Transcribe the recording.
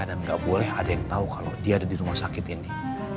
dan gak boleh ada yang tau kalau dia ada di rumah sakit ini